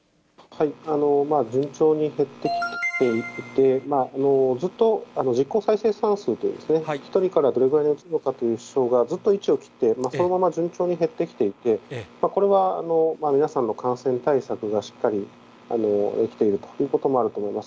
順調に減ってきていて、ずっと、実効再生産数という、１人からどれくらいにうつるのかというのが、ずっと１を切って、そのまま順調に減ってきていて、これは皆さんの感染対策がしっかりできているということもあると思います。